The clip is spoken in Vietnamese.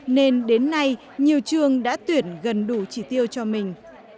nên đến nay nhiều trường đã tuyển gần đủ trị tiêu cho mình